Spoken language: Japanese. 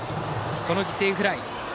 この犠牲フライ。